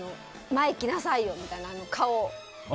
前、行きなさいよみたいな。